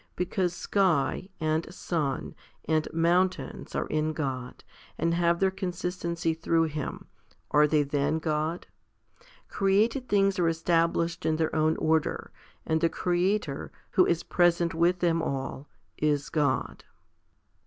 Because sky, and sun, and mountains are in God, and have their consistency through Him, are they then God? Created things are established in their own order, and the Creator, who is present with them all, is God.